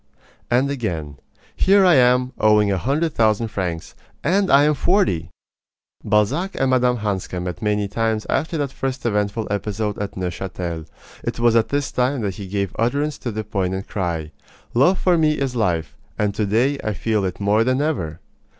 And again: Here I am, owing a hundred thousand francs. And I am forty! Balzac and Mme. Hanska met many times after that first eventful episode at Neuchatel. It was at this time that he gave utterance to the poignant cry: Love for me is life, and to day I feel it more than ever!